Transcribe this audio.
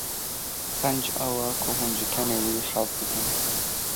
Qenc ew e ku hûn ji kenê wî hez dikin.